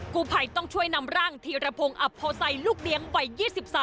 ผู้ภัยต้องช่วยนำร่างธีรพงศ์อับโพไซลูกเลี้ยงวัย๒๓